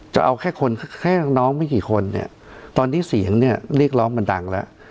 จะเอาแค่คนแค่น้องไม่กี่คนเนี่ยตอนนี้เสียงเนี่ยเรียกร้องมันดังแล้ว